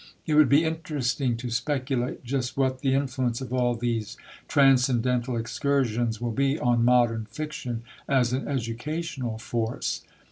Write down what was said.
It would be interesting to speculate just what the influence of all these transcendental excursions will be on modern fiction as an educational force.